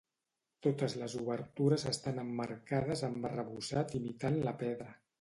Totes les obertures estan emmarcades amb arrebossat imitant la pedra.